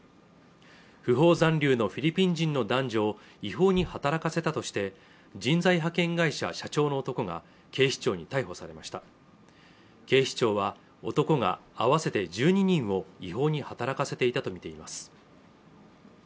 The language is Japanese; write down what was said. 不法残留のフィリピン人の男女を違法に働かせたとして人材派遣会社社長の男が警視庁に逮捕されました警視庁は男が合わせて１２人を違法に働かせていたとみています